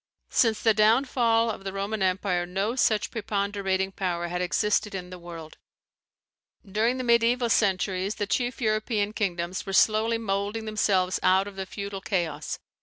Since the downfall of the Roman empire no such preponderating power had existed in the world. During the mediaeval centuries the chief European kingdoms were slowly moulding themselves out of the feudal chaos.